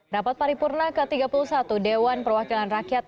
rapat paripurna ke tiga puluh satu dewan perwakilan rakyat